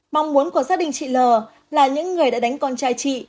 mong muốn của gia đình chị l là những người đã đánh con trai chị